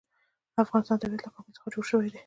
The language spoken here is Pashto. د افغانستان طبیعت له کابل څخه جوړ شوی دی.